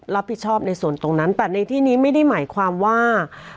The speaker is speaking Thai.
รับผิดชอบในส่วนตรงนั้นแต่ในที่นี้ไม่ได้หมายความว่า